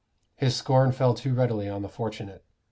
His scorn fell too readily on the fortunate.